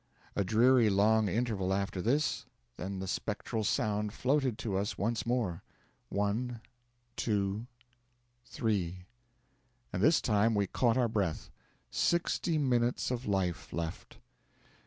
A dreary long interval after this, then the spectral sound floated to us once more one, two three; and this time we caught our breath; sixty minutes of life left!